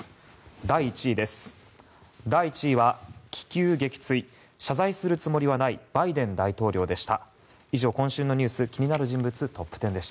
第１位です。